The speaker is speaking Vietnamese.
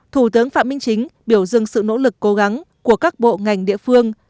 thủ tướng phạm minh chính biểu dưng sự nỗ lực cố gắng của các bộ ngành địa phương